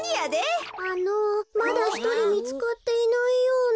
あのまだひとりみつかっていないような。